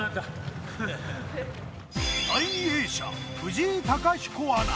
第２泳者、藤井貴彦アナ。